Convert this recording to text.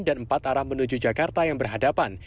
dan empat arah menuju jakarta yang berhadapan